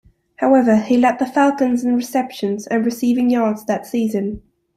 However, he led the Falcons in receptions and receiving yards that season.